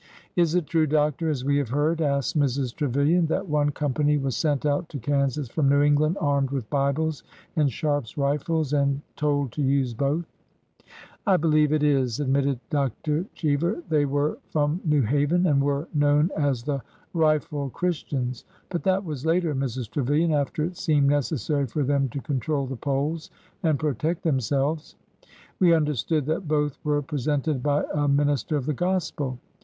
Is it true. Doctor, as we have heard," asked Mrs. Tre vilian, '' that one company was sent out to Kansas from New England armed with Bibles and Sharpe's rifles, and told to use both ?" I believe it is," admitted Dr. Cheever. They were from New Haven, and were known as the ' rifle Chris tians.' But that was later, Mrs. Trevilian, after it seemed necessary for them to control the polls and protect them selves." ''We understood that both were presented by a min ister of the gospel."